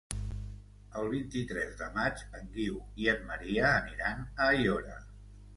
El vint-i-tres de maig en Guiu i en Maria aniran a Aiora.